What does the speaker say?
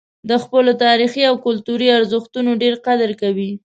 د خپلو تاریخي او کلتوري ارزښتونو ډېر قدر کوي.